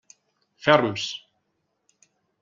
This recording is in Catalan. Ferms!